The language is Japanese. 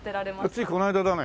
ついこの間だね。